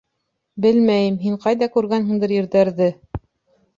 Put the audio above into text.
Белмәйем, һин ҡайҙа күргәнһеңдер ирҙәрҙе.